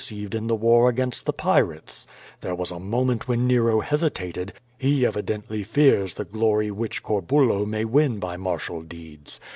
ceived in the war against the pirates. There was a moment when Nero hesitated. He evidently fears the glory which Corbulo may win by martial deeds.